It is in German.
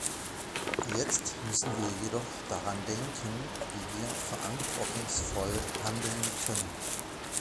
Jetzt müssen wir jedoch daran denken, wie wir verantwortungsvoll handeln können.